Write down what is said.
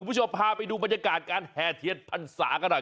คุณผู้ชมพาไปดูบรรยากาศการแห่เทียนพันธุ์ศาสตร์ก็ได้